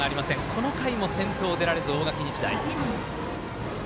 この回も先頭出られず、大垣日大。